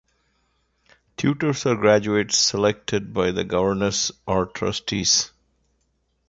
Tutors are graduates selected by the governors or trustees.